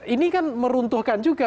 ini kan meruntuhkan juga